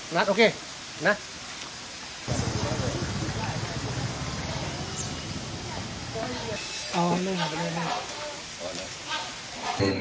นัดโอเคนะ